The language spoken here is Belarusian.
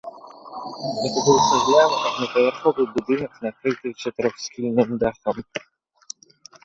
Гэта быў цагляны аднапавярховы будынак, накрыты чатырохсхільным дахам.